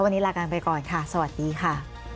วันนี้ลากันไปก่อนค่ะสวัสดีค่ะ